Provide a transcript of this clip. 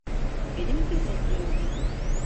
Beni mi gözetliyordun?